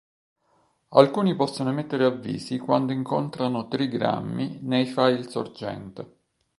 Alcuni possono emettere avvisi quando incontrano trigrammi nei file sorgente.